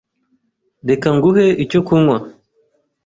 Reka nguhe icyo kunywa.